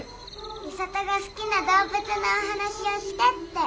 美里が好きな動物のお話をしてって。